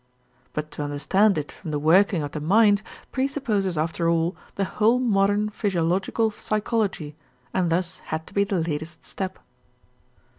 But to understand it from the working of the mind presupposes after all the whole modern physiological psychology, and thus had to be the latest step.